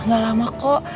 nggak lama kok